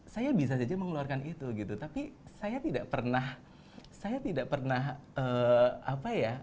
saya bisa saja mengeluarkan itu gitu tapi saya tidak pernah saya tidak pernah apa ya